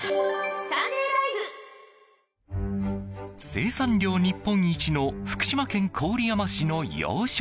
生産量日本一の福島県郡山市の養殖鯉。